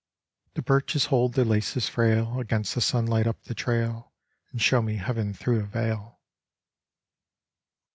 The birches hold their laces frail Against the sunlight up the Trail And show me heaven through a veil.